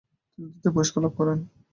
তিনি দ্বিতীয় পুরস্কার লাভ করেন।